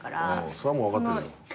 それはもう分かってるよ。